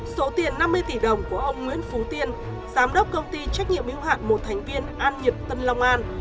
số tiền năm mươi tỷ đồng của ông nguyễn phú tiên giám đốc công ty trách nhiệm hữu hạn một thành viên an nhật tân long an